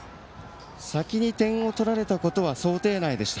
先に点を取られたことは想定内でした。